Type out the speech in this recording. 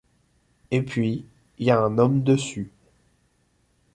Et puis, y a un homme dessus.